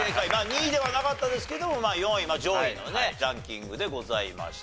２位ではなかったですけどもまあ４位の上位のねランキングでございました。